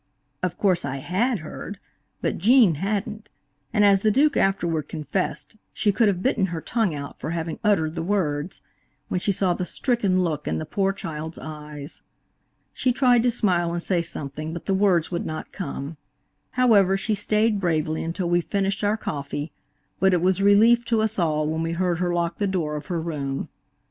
Of course I had heard, but Gene hadn't, and as the Duke afterward confessed, she could have bitten her tongue out for having uttered the words, when she saw the stricken look in the poor child's eyes. She tried to smile and say something, but the words would not come. However, she stayed bravely until we finished our coffee, but it was a relief to us all when we heard her lock the door of her room.